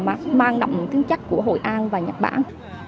mang động tính chất của hội an và nhật bản